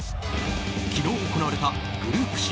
昨日行われたグループＣ